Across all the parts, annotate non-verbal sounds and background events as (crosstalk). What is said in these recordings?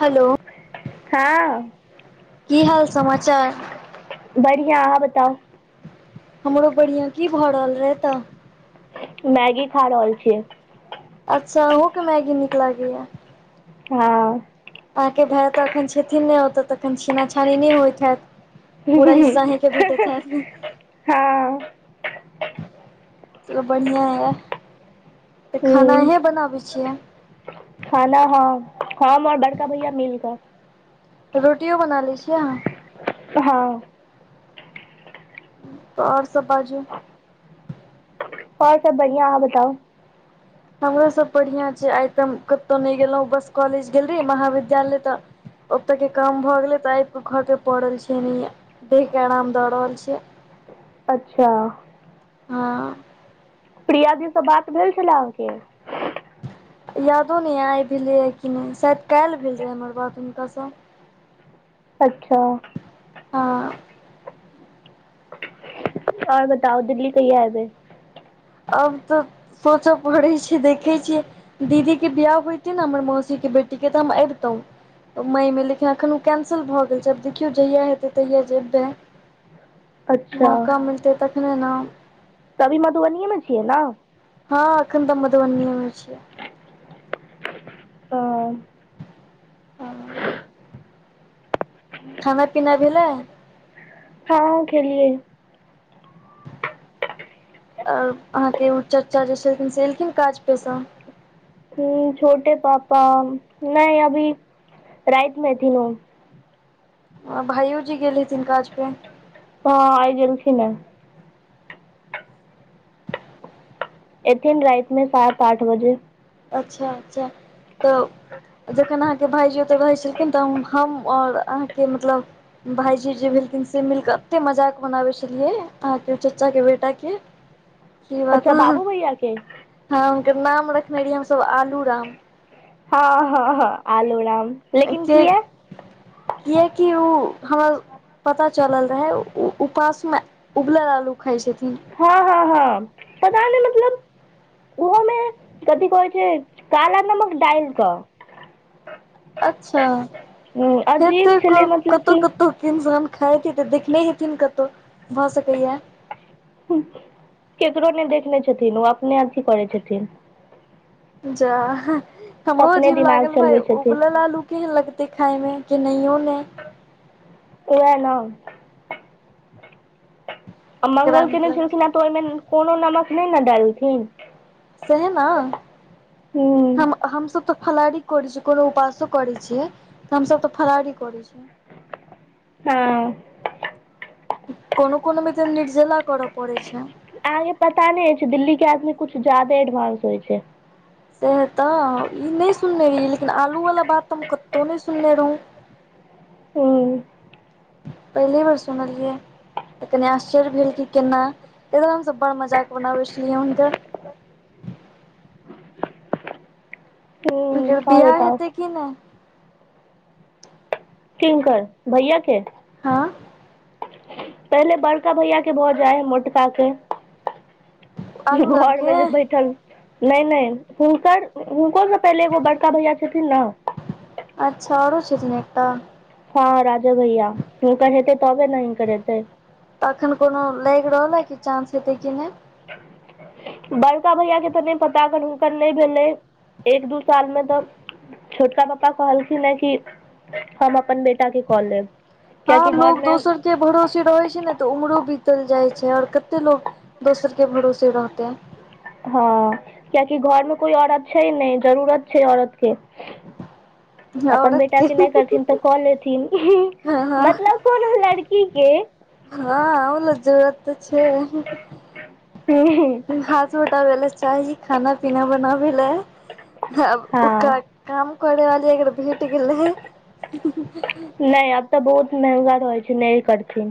Hello हँ की हाल समाचार बढ़िआ अहाँ बताउ हमरो बढ़िया की भरल रहे तऽ मैगी खा रहल छिये अच्छा ओहो के मैगी नीक लागेया हँ अहाँके भाय तऽ अखन छथिन नहि ओतऽ तऽखन छीना छानी नहि होइत हेत पूरा हिस्सा अहिं के भेटेत हैत ने हँ चलू बढ़िआँ यइ तऽ खाना हूँ अही बनाबै छियै खाना हँ हम और बड़का भैया मिल कऽ रोटियो बना लै छियै अहाँ हँ त आओर सब बाजु ओर सब बढ़ियां अहाँ बताउ हमरो सब बढ़िआँ छै आइ तऽ हम कतहु नहि गेलहुँ बस कॉलेज गेल रही महाविद्यालय तऽ ओतऽ के काम भऽ गेलै तऽ आब कऽ घर के पड़ल छै ने देह के आराम द रहल छियै अच्छा हँ प्रिया दी सँ बात भेल छलै अहाँके? यादो नहि आइ भेलै य कि नहि शायद काल्हि भेल रहे हमर बात हुनकाँ स अच्छा हँ ओर बताउ दिल्ली कहिया एबै? आब तऽ सोचे पड़ै छै देखै छियै दीदी के बियाह होइति न हमर मौसीे के बेटीक के तऽ हम एबतहु मइमे लेकिन एखन ओ कैंसल भऽ गेल छै आब देखियौ जहिया हेतै तहिया जेबै अच्छा मौका मिलतै तखने न तभी मधुबनीए मे छियै न हँ एखन तऽ मधुबनीए मे छीयै ओ खाना पीना भेलय हँ खेलियए ओर अहाँके ओ चाचा जे छलखिन से एलखिन काज पसँ ह छोटे पापा नहि अभी राति मे एथन ओ अ भाइयो जी गेल हीथिन काज पे तऽ आइ गेलखिन है एथिन राति मे सात आठ बजे अच्छा अच्छा तऽ जखन अहाँके भाइजी औते रहै छलखिन तऽ हम हम ओर अहाँके मतलब भाईजी जे भेलखिन से मिलके एते मजाक मनाबे छलियै अहाँके चाचा के बेटा के (inaudible) की बात अच्छा ह बाबू भैया के हँ हुनकर नाम रखने रहियै हमस आलू राम हँ हँ हँ आलू राम लेकिन जे किया किए कि ओ हमर पता चलल रहै उपासमे उबलल आलू खााय छथिन हँ हँ हँ पता नहि मतलब ओहोमे कथि कहै छै काला नमक डालि कऽ अच्छा ह हेत अजीब क छलै मतलब कतहु कि कतहु नसान खाएती ते देखने हेथिन कतौ भए सकैया केकरो नहि देखने छथिन ओ अपने अथी करै छथिन जा हमरो अपने अजीब दिमाग लागल भाय चलबै छथिन उबलल आलु केहन लगते खाइमे कि नहि उ नहि वएह न आ केकरा मंगल नीक केने लगै छलखिन आ तऽ ओहिमे कोनो नमक नहि ने डालथिन सेहे ने ह हम हमस तऽ फलहारी करै छिय कोनो उपवासो करै छियै तऽ हमस तऽ फलहारी करै छियै हां कोनो कोनो मे तऽ निर्जला करऽ पड़े छै आगे पता नहि होइ छै दिल्ली के आदमी कुछु ज्यादे एडवानंस होइ छै सेह तऽ ई नहि सुनने रहिय लेकिन आलूवालला बात तऽ हम कतहु नहि सुनने रहौ (inaudible) हँ पहिली बेर सुनलियै तऽ कनि आश्चर्य भेल क केना एकदर हमसभ बड़ मजाक बनाबे छलियै हुनका हूं हुनकर और बियाह बताउ हेतै कि नहि किनकर भैया के हँ पहिले बड़का भैय के भऽ जाय मोटका के आलू राम घर मे जे के बैठल नहि नहि हुनकर हुनकोसँ पहिले एगो बड़का भैया छथिन नऽ अच्छा आउरो छथिन एक टाऽ हँ राजा भैया हुनकर हेतै तबे नऽ हिनकर हेतै अखन कोनो लागि रहले है कि चांस हेतै कि नहि बड़का भैया के तऽ नहि पता अगर हुनकर नहि भेलै एक दू साल मे तऽ छोटका पापा कहलखिन ह कि हम अपन बेटा के कऽ लेब हँ कियाकि घर लोग मे दोसर के भरोसे रहैत छै ने तऽ उमरो बितल जाइ छै आओर कते लोक दोसर के भरोसे रहते है हँ कियाकि घर मे कोइ औरत छै नहि जरूरत छै औरत के (inaudible) अपन बेटा के नहि करथिन तऽ कऽ लेथिन हँ हँ मतलब कोनो लड़की के हँ मतलब जरुरत तऽ छै हँ छोट आबे चाही खाना पीना बनाबे लए हँ आब ओकरा हँ काम करे वाली अगर भेट गेलइ नहि एतअ तऽ बहुत महगा रहै छै नहि करथिन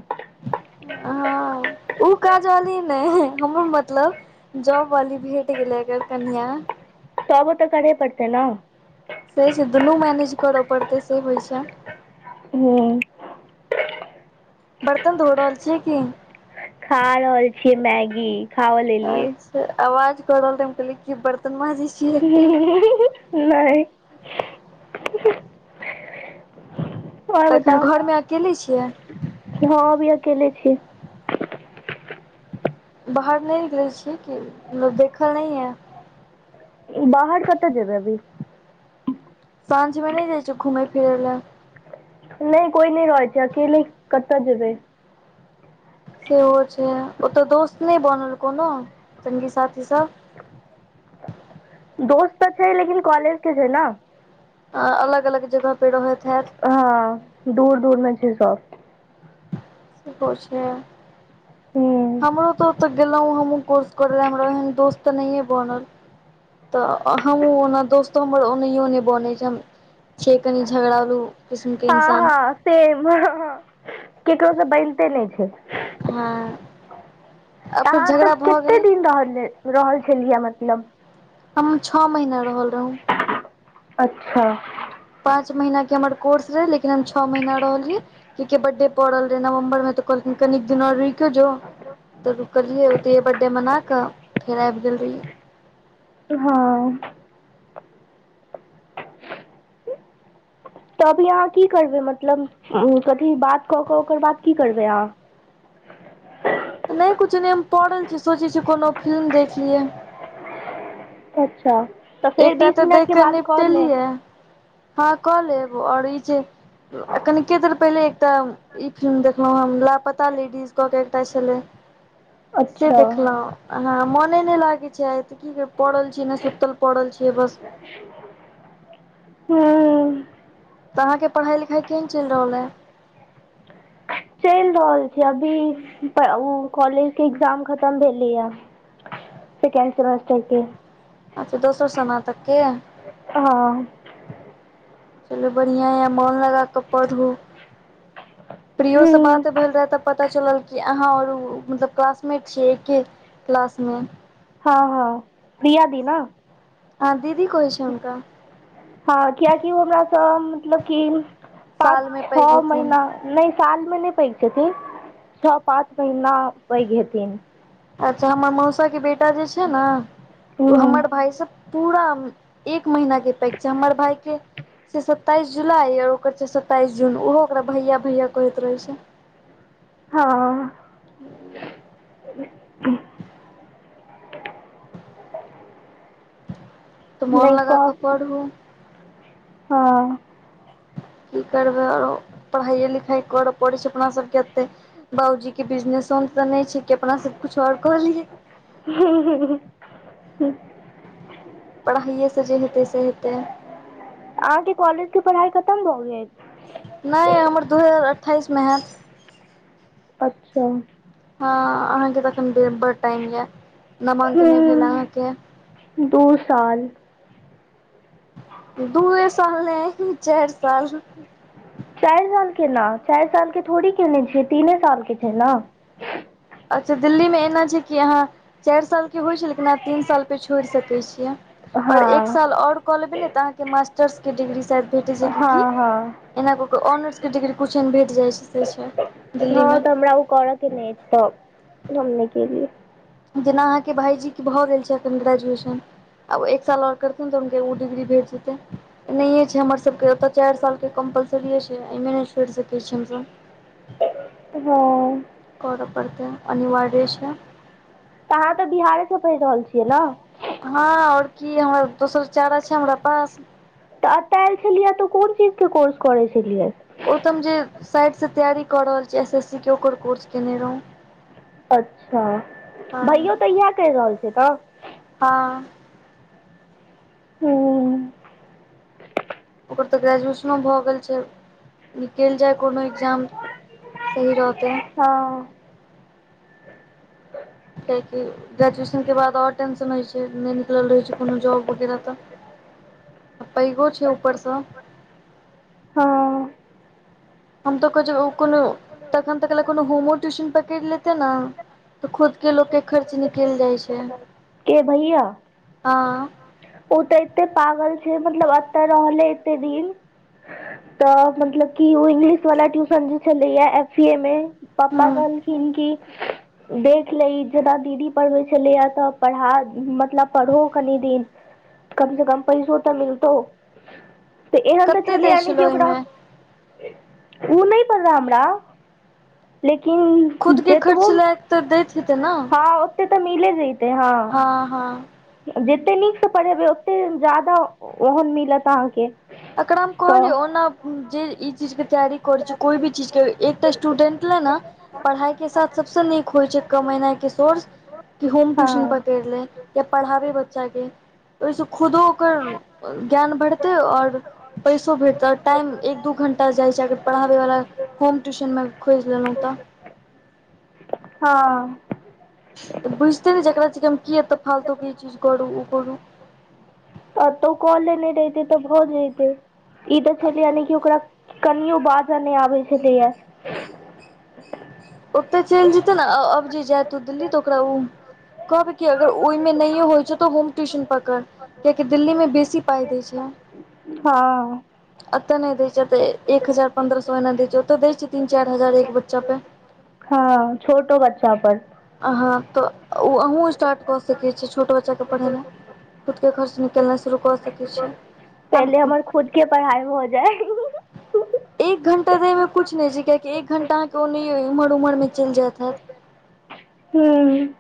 हँ उ काज वाली नै हमर मतलब जॉब वाली भेट गेलै अगर कनिआ तबो तऽ करहे पड़तै न से से दुनू मैनेज करऽ पड़तै से होइ छै हूँ बर्तन धो रहल छियै कि खा रहल छियै मैगी खाओ लेलियै तऽ आवाज कऽ रहल त हम कहलिए की बर्तन माजइ (inaudible) नहि आओर तखन बताउ घरमे अकेले छियै हँ अभी अकेले छिये बाहर नहि निकलै छी कि मतलब देखल नहि यऽ बाहर कतअ जेबै अभी साँझ मे नहि जाइ छिय घुमै फिरै लऽ नहि कोई नहि रहै छै अकेले कतअ जेबै सेहो छै ओतअ दोस्त नहि बनल कोनो संगी साथी सब दोस्त तऽ छै लेकिन कॉलेज के छै नऽ अ अलग अलग जगह पर रहैत हैत हँ दूर दूर मे छै सब सेहो छै ह हमरो तो त गेलों हमहु कोर्स करैय ले हमरा एहन दोस्त त नहिये बनल तऽ हमहूँ ओना दोस्तो हमर ओनाहियो नइ बनेै छै हम छिये कनी झगड़ालू किस्मके हँ इन्सान हँ सेम हँ हँ केकरो से बनते नइ छै हँ आ फेर अहाँ तऽ झगड़ा भऽ कते गेल दिन रहल रहल छलियै मतलब हम छह महीना रहल रहु अच्छह पाँच महीनाके हमर कोर्स रहै, लेकिन हम छओ महीना रहलियै। कि बर्थडे पड़ल रहै नवम्बरमे, तऽ कहलखिन कनीक दिन आओर रुकऽ जो। तऽ रुकलियै ओती, बर्थडे मनाकऽ, फेर आबि गेल रहियै। हँ तऽ अभी अहाँ की करबै? मतलब, एथि बात कऽ कऽ ओकर बाद की करबै अहाँ? नहि, किछु ने। हम पड़ल छी, सोचै छी कोनो फिल्म देखि लिअ। अच्छा तऽ फेर एकटा बीस तऽ मिनट देख के कऽ बाद निपटेलि य लेब हँ कऽ लेब आओर ई छै कनिके देर पहिने एकटा ई फिल्म देखने छलहुँ, लापता लेडीज कऽ कऽ एकटा छल। से अच्छा देखलहु हँ, मन नहि लागै छै। आइ तऽ की पड़ल छै ने, सुतल छी। पड़ल छियै बस ह्म तऽ अहाँके पढ़ाइ लिखाई केहन चलि रहल हइ? चलि रहल छै। अभी ओ कॉलेज के एग्जाम खतम भेलै ह सेकंड सेमेस्टर के। अच्छा दोसर सेमेस्टर के हँ चलू बढ़िया य मोन लगा कऽ पढ़ू प्रियो से हूँ बात भेल रहे तऽ। पता चलल कि अहाँ आर मतलब क्लासमेट छीयै एके क्लास मे। हँ हँ प्रिया दी न अहाँ दीदी कहै छै हुनका? हँ, किएक कि हमर सभ मतलब पाँच सालमे पैघ छओ हेथिन महीनासँ नहि, सालमे नहि। पैघ छथि, छओ पाँच महीना पैघ हेथिन। अच्छा, हमर मौसाक बेटा जे छै ने, ओ हूँ हमर भाय सभ। पूरा एक महीनाक पैक छै हमर भायके से। सत्ताइस जुलाई आओर ओकर छै सत्ताइस जून। ओहो ओकरा भैया भैया कहैत रहै छै। हँ (inaudible) तऽ मोन नहि लगाकऽ कहब पढ़ू हँ की करबै, आओर पढ़ाइ लिखाइ करऽ पड़ै छै अपना सभके एते। बाबूजीके बिजनेसमे तऽ नहि छै कि अपना सभ किछु आओर कहलियै। ह ह पढ़ाइए सँ जे हेतै से हेतै। अहाँके कॉलेज के पढ़ाई खतम भऽ गेल? नहि, हमर दू हजार अठ्ठाइसमे होयत। अच्छा हँ, अहाँके तखन बड़ टाइम नहि नामांकन भेल हूँ अहाँके? दू साल दूए साल ने चारि साल चारि सालके केना? चारि सालके थोड़े ने केने छियै, तीने सालके छै ने। अच्छा, दिल्लीमे एना छै कि अहाँ चारि सालके होइ छै, लेकिन अहाँ तीन साल पर छोड़ि सकैत छियै। आओर एक हँ साल आओर कऽ लेबै ने तऽ अहाँके मास्टर्सके डिग्री भेटैत छै की? हँ हँ एना कऽ ऑनर्सके डिग्री किछुहन भेटि जाइ छै, से छै हँ दिल्लीमे। तऽ हमरा ओ करऽ कि नहि? तऽ हम नै केलिए जेना अहाँके भाईजी के भऽ रहल छै अखन ग्रेजुएशन अब एक साल आओर करितै तऽ ओ डिग्री भेटतै। एना ही छै हमरासभके ओतऽ चारि साल कम्पलसरी छै, एहिमे नहि छोड़ि सकैत छी हमसभ। हँ करऽ पड़तै अनिवार्य छै तऽ अहाँ तऽ बिहारे सँ पढ़ि रहल छियै ने हँ आओर की हमर दोसर चारा छै हमरा पास तऽ अतयल छलियै तऽ कोन चीज के कोर्स करे छलियै ओ त हम जे साइड से तैयारी कऽ रहल छी एस एस सी के ओकर कोर्स केने रहौ अच्छा भइयो हँ तऽ इएह क कहि रहल छ तऽ हँ हु ओकर तऽ ग्रेजुएशनो भऽ गेल छै निकलि जाय कोनो एकग्जाम सही रहतै हँ (unintelligible) ग्रेजुएशनके बाद आओर टेंशन होइत छै नहि निकलल रहैत छै कोनो जॉब वगैरह तऽ पैघो छै ऊपरसँ हँ हम तऽ को कोनो तखन तक ल कोनो होमो ट्यूशन पेकैर लेते ने तऽ खुदके लोकके खर्च निकलि जाइ छै के भैया हँ ओ तऽ एते पागल छै मतलब एतऽ रहले एते दिन तऽ मतलब की ओ इंग्लिश वाला ट्यूशन जे छलैया एफ सी ए मे पप्पा हूँ कहलखिन की देख ले जना दीदी पढ़बे छलैया तऽ पढ़ा मतलब पढ़ो कनि दिन कम से कम पैसो तऽ मिलतौ तऽ एहन तऽ कते छलै दै यान कि ओकरा ओहिमे ओ नहि पता हमरा लेकिन खुद के जतबो खर्च लायक तऽ दैत हेतै ने से तऽ मिल जतै हँ हँ हँ जतेक नीकसँ पढ़ेबै ओतेक ज्यादा ओहन मिलत अहाँके एकरा हम कहलिय तऽ ओना जे ई चीज के तैयारी करै छी कोई भी चीजके एकटा स्टूडेंट ले ने पढ़ाइके साथ सभसँ नीक होइ छै कमाइ मनााके सोर्स कि होम हँ ट्यूशन पकड़ि ले या पढ़ाबी बच्चाके ओहिसँ खुदो ओकर ज्ञान बढ़तै आओर पैसो भेटत टाइम एक दू घंटा जाइ छै अगर पढ़ाबे वाला होम ट्यूशन में खोजि लेलहुं तऽ हँ बुझते ने छैकरा हम किी एतऽ फालतू कि चीज करू ओ करू तऽ तो कॉ लेने रहयत तऽ भऽजतै ई ते छले यान क ओकरा कनियो बाजा नहि आबे छलेया (inaudible) ओते चलि जेते ने अब जे जाय दिल्ली तऽ ओकरा उ कहबै कि अगर ओहिमे नहिए होइ छै तऽ होम ट्यूशन पकड़ कियाकि दिल्लीमे बेसी पाइ दै छै हँ एते नहि देय छै एक हजार पंन्द्रह सए एना देय छै ओते दय छै तीन चारि हजार एक बच्चा पे हँ छोटो बच्चा पर अहाँ तऽ ओ अहूँ स्टार्ट कऽ सकी छी छोट बच्चा के पढ़ेना खुद के खर्च निकलनाइ शुरू कऽ सॅं सकै छी पहिले हमर खुद के पढ़ाइ भऽ जाय (inaudible) एक घण्टा तऽ एहिमे किछु नहि छै कियाकि एक घण्टा अहाँकेँ ओ नहि एमहर उमहरमे चलि जाइत हैत हूँ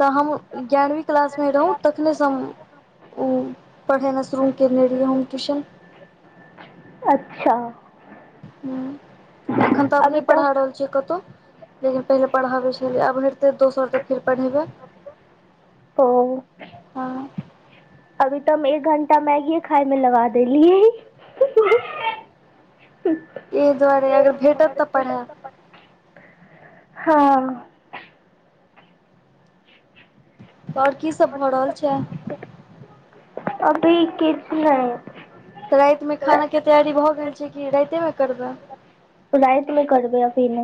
तऽ हम गारहवीं क्लास मे रहू तखनेसँ हम ओ पढ़ैमे शुरूमे करने रहियए हॉम ट्यूशन अच्छा हू अखन तब नहि अभी तऽ पढ़ा रहल छी कतहु लेकिन पहिले पढ़ाबे छलियै आब नहि रहते दोसर तऽ फेर पढ़ेबे ओ हँ अभी तऽ हम एक घण्टा मैगी खाइ में लगा देेलियए एहि दुआरे अगर भेटत तऽ पढ़े बऽ हँ और की सब भऽ रहल छै अभी किछ नहि तऽ रातिमे खानाके तैयारी भऽ गेल छै कि रातिमे करबै रातमे करबै अभी नहि